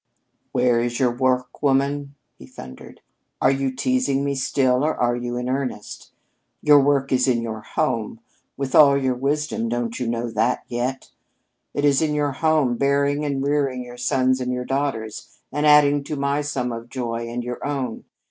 "Where is your work, woman?" he thundered. "Are you teasing me still or are you in earnest? Your work is in your home! With all your wisdom, don't you know that yet? It is in your home, bearing and rearing your sons and your daughters, and adding to my sum of joy and your own.